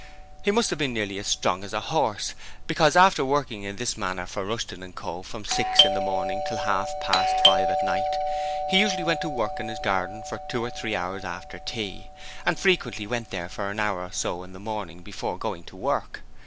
He must have been nearly as strong as a horse, because after working in this manner for Rushton & Co. from six in the morning till half past five at night, he usually went to work in his garden for two or three hours after tea, and frequently went there for an hour or so in the morning before going to work.